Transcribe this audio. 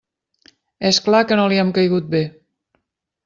És clar que no li hem caigut bé.